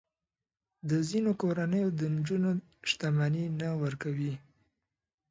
د ځینو کورنیو د نجونو شتمني نه ورکوي.